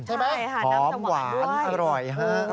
ใช่ไหมหอมหวานอร่อย